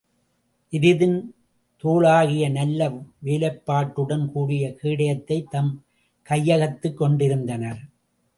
எருதின் தோலாலாகிய நல்ல வேலைப்பாட்டுடன் கூடிய கேடயத்தைத் தம் கையகத்துக் கொண்டிருந்தனர்.